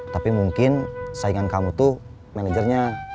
tapi mungkin saingan kamu tuh manajernya